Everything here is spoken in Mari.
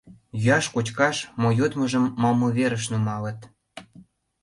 Йӱаш-кочкаш мо йодмыжым малымверыш нумалыт.